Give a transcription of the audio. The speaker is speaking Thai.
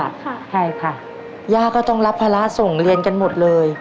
ใช่ค่ะย่าก็ต้องรับภาระส่งเรียนกันหมดเลย